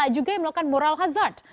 juga yang melakukan mural hazard